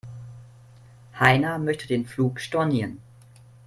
Heiner möchte den Flug stornieren.